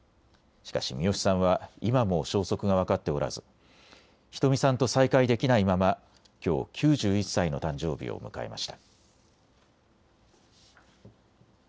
しかしミヨシさんは今も消息が分かっておらず、ひとみさんと再会できないままきょう９１歳の誕生日を迎えました。